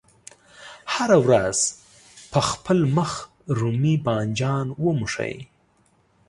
هره ورځ په خپل مخ رومي بانجان وموښئ.